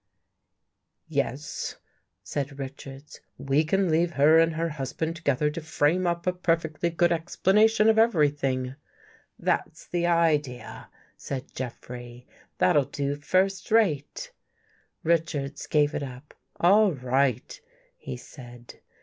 "" Yes," said Richards, '' we can leave her and her husband together to frame up a perfectly good ex planation of everything." " That's the idea," said Jeffrey. " That'll do first rate." Richards gave it up. " All right," he said.